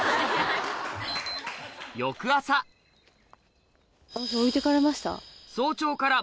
私置いてかれました？